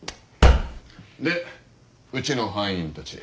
でうちの班員たち。